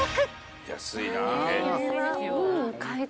安いなぁ。